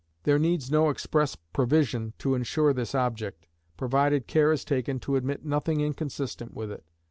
There needs no express provision to insure this object, provided care is taken to admit nothing inconsistent with it.